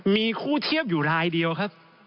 มีคู่เทียบอยู่รายเดียวครับ